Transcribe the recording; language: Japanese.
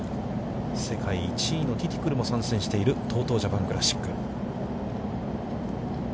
世界１位のティティクルも参戦しているＴＯＴＯジャパンクラシック。